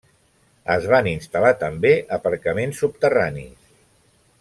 Es van instal·lar també aparcaments subterranis.